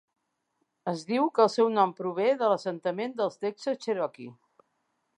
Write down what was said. Es diu que el seu nom prové de l"assentament dels Texas Cherokees.